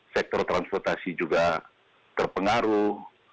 sektor transportasi juga terpengaruh